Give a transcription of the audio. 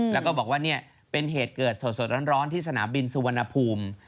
แล้วก็บอกว่าเนี่ยเป็นเหตุเกิดสดร้อนที่สนามบินสุวรรณภูมิ